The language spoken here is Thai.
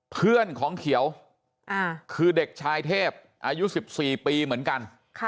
เพื่อนของเขียวคือเด็กชายเทพอายุ๑๔ปีเหมือนกัน